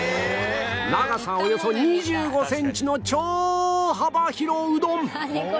長さおよそ２５センチのちょ幅広うどん！